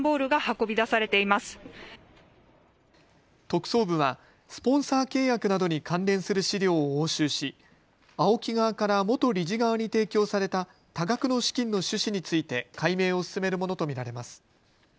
特捜部はスポンサー契約などに関連する資料を押収しＡＯＫＩ側から元理事側に提供された多額の資金の趣旨について解明を進めるものと見られます。